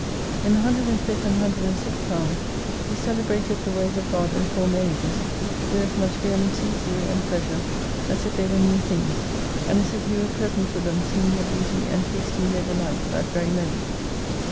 In the 105th and 106th psalms he celebrateth the ways of God in former ages with as much vehem ency, zeal and pleasure as if they were new things, and as if he were present with them seeing their beauty and tasting their delight that very moment.